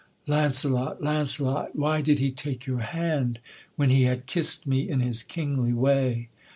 Launcelot, Launcelot, why did he take your hand, When he had kissed me in his kingly way?